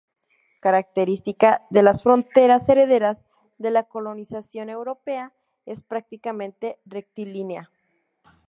Característica de las fronteras heredadas de la colonización europea, es prácticamente rectilínea.